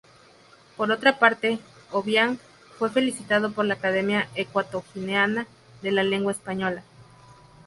Por otra parte, Obiang fue felicitado por la Academia Ecuatoguineana de la Lengua Española.